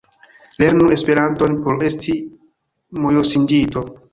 Lernu Esperanton por esti mojosiĝinto!